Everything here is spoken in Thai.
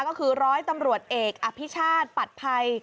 ก็คือร้อยตำรวจเอกอภิชาติปัดภัย